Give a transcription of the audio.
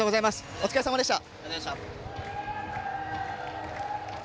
お疲れさまでした。